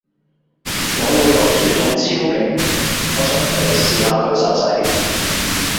我老友煮餸超勁，我想你試下佢手勢